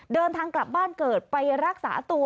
เดินทางกลับบ้านเกิดไปรักษาตัว